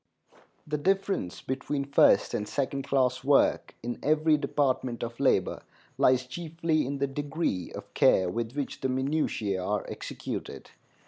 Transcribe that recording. The difference between first and second class work in every department of labor lies chiefly in the degree of care with which the minutiæ are executed.